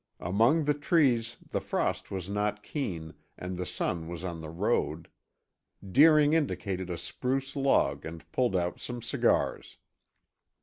Among the trees the frost was not keen and the sun was on the road. Deering indicated a spruce log and pulled out some cigars.